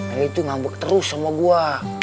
eli tuh ngambek terus sama gua